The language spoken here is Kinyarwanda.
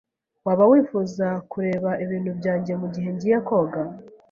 Waba wifuza kureba ibintu byanjye mugihe ngiye koga?